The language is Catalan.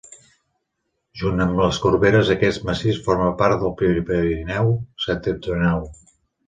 Junt amb les Corberes aquest massís forma part del Prepirineu septentrional.